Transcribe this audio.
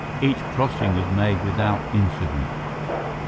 Each crossing was made without incident.